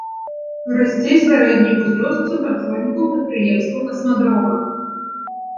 Расце сярэдні ўзрост супрацоўнікаў прадпрыемстваў касмадрома.